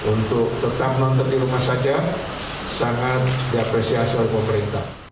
untuk tetap nonton di rumah saja sangat diapresiasi oleh pemerintah